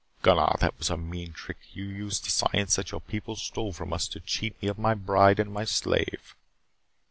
Gunnar, that was a mean trick. You used the science that your people stole from us to cheat me of my bride and my slave."